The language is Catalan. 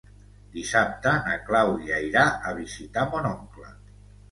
Dissabte na Clàudia irà a visitar mon oncle.